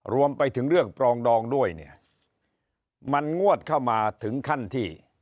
รวมไปถึงเรื่องปรองดองด้วยเนี่ยมันงวดเข้ามาถึงขั้นที่